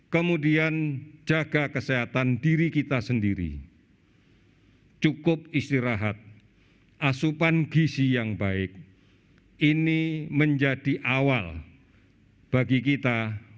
kemudian jaga kesehatan diri kita sendiri cukup istirahat asupan gisi yang baik ini menjadi awal bagi kita